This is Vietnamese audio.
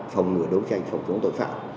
phòng ngừa đấu tranh phòng chống tội phạm